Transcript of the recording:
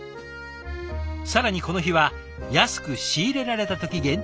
更にこの日は安く仕入れられた時限定の刺身も。